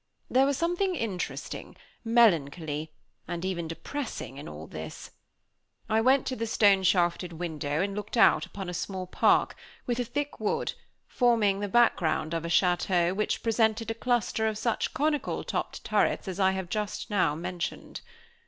There was something interesting, melancholy, and even depressing in all this. I went to the stone shafted window, and looked out upon a small park, with a thick wood, forming the background of a château which presented a cluster of such conical topped turrets as I have just now mentioned.